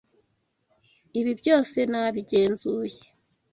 Ibi byose nabigenzuye.